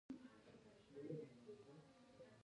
په هزاره ګانو کي هم ډير سُنيان شته